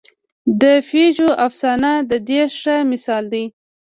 د پېژو افسانه د دې ښه مثال دی.